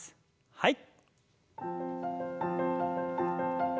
はい。